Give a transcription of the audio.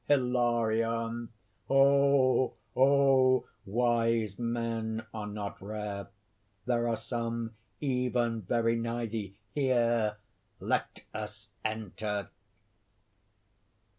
HILARION. "Oh! oh! wise men are not rare! there are some even very nigh thee! here! Let us enter!"